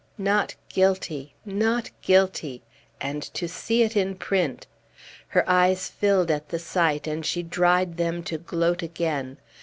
Not guilty! Not guilty! And to see it in print! Her eyes filled at the sight, and she dried them to gloat again.